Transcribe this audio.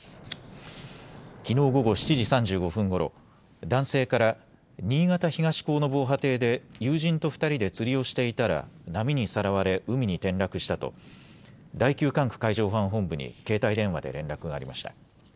きのう午後７時３５分ごろ男性から新潟東港の防波堤で友人と２人で釣りをしていたら波にさらわれ海に転落したと第９管区海上保安本部に携帯電話で連絡がありました。